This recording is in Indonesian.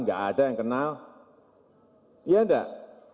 nggak ada yang kenal iya enggak